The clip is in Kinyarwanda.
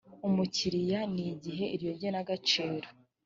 umukiriya n igihe iryo genagaciro